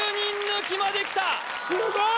すごーい！